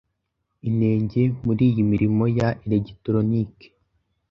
inenge muriyi mirimo ya elegitoronike